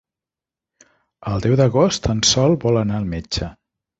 El deu d'agost en Sol vol anar al metge.